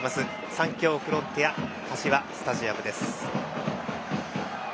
三協フロンテア柏スタジアムです。